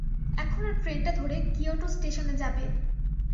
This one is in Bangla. এখনো ট্রেনটা ধরে কিয়োটো স্টেশনে যাবে।